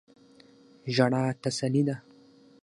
ژړا تسلی ده.